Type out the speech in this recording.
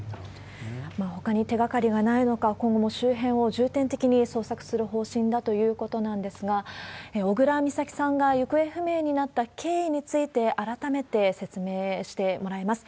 ほかに手がかりがないのか、今後も周辺を重点的に捜索する方針だということなんですが、小倉美咲さんが行方不明になった経緯について、改めて説明してもらいます。